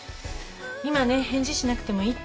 今ね返事しなくてもいいって。